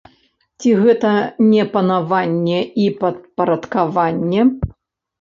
Ці гэта не панаванне і падпарадкаванне?